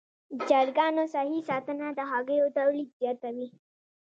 د چرګانو صحي ساتنه د هګیو تولید زیاتوي.